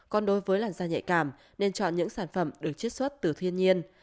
còn đối với làn da nhạy cảm nên chọn những sản phẩm được chất xuất từ thiên nhiên